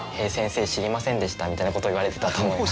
みたいなことを言われてたと思います。